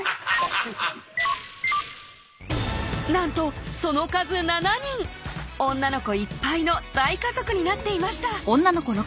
ハハハハッなんとその数７人女の子いっぱいの大家族になっていました